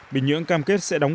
bình nhưỡng cam kết sẽ đóng cửa